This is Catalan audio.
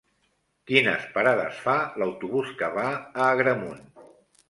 Quines parades fa l'autobús que va a Agramunt?